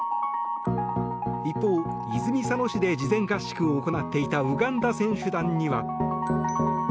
一方、泉佐野市で事前合宿を行っていたウガンダ選手団には。